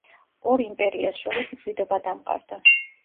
ორ იმპერიას შორის მშვიდობა დამყარდა.